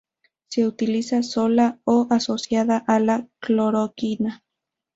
Se utiliza sola o asociada a la cloroquina.